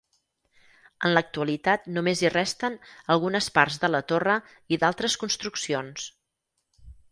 En l'actualitat només hi resten algunes parts de la torre i d'altres construccions.